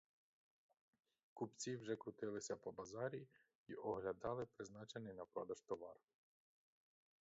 Купці вже крутилися по базарі й оглядали призначений на продаж товар.